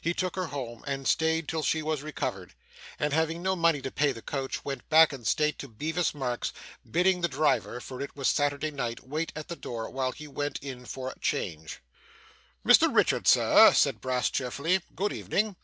He took her home, and stayed till she was recovered; and, having no money to pay the coach, went back in state to Bevis Marks, bidding the driver (for it was Saturday night) wait at the door while he went in for 'change.' 'Mr Richard, sir,' said Brass cheerfully, 'Good evening!